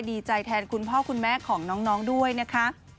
ดีใจแทนคุณพ่อคุณแม่ของน้องด้วยนะคะ